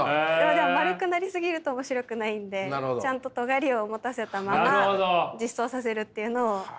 でも丸くなりすぎると面白くないんでちゃんととがりを持たせたまま実装させるっていうのを。